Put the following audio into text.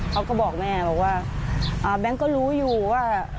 เขาก็บอกแม่บอกว่าแบงค์ก็รู้อยู่ว่า